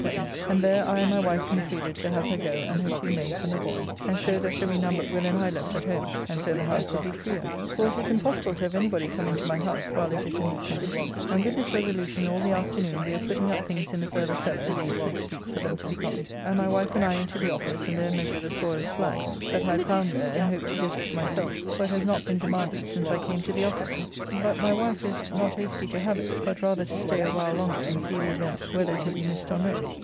Pen's, and there I and my wife concluded to have her go and her two maids and the boy, and so there shall be none but Will and I left at home, and so the house will be freer, for it is impossible to have anybody come into my house while it is in this condition, and with this resolution all the afternoon we were putting up things in the further cellar against next week for them to be gone, and my wife and I into the office and there measured a soiled flag that I had found there, and hope to get it to myself, for it has not been demanded since I came to the office. But my wife is not hasty to have it, but rather to stay a while longer and see the event whether it will be missed or no.